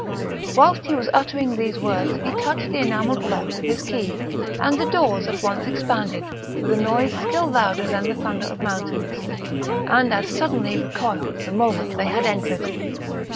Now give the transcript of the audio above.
Whilst he was uttering these words he touched the enamelled lock with his key, and the doors at once expanded, with a noise still louder than the thunder of mountains, and as suddenly recoiled the moment they had entered.